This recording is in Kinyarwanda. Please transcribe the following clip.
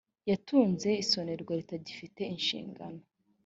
yatumye isonerwa zitagifite ishingiro